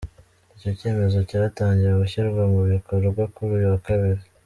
Icyo cyemezo cyatangiye gushyirwa mu bikorwa kuri uyu wa kabiri.